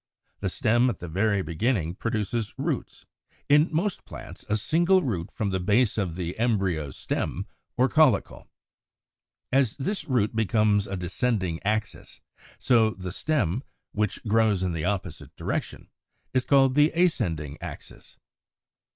The stem at the very beginning produces roots, in most plants a single root from the base of the embryo stem, or caulicle. As this root becomes a descending axis, so the stem, which grows in the opposite direction is called the ascending axis.